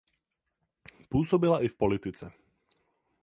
Působila i v politice.